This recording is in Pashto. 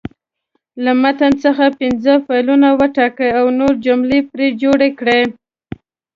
له متن څخه پنځه فعلونه وټاکئ او نوې جملې پرې جوړې کړئ.